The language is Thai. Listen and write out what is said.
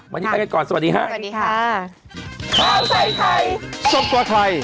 วันนี้ไปกันก่อนสวัสดีค่ะ